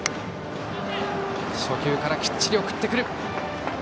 初球からきっちり送ってくる。